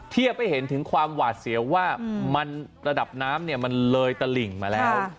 เทียบให้เห็นถึงความหวาดเสียวว่าระดับน้ำมันเลยตะหลิ่งมาแล้ว